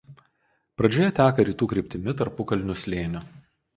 Pradžioje teka rytų kryptimi tarpukalnių slėniu.